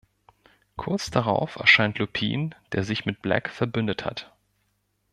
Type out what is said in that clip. Kurz darauf erscheint Lupin, der sich mit Black verbündet hat.